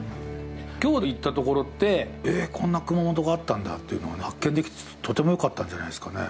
きょう行ったところって、えっ、こんな熊本があったんだという発見ができて、とてもよかったんじゃないですかね。